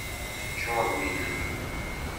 Teččurem ilem.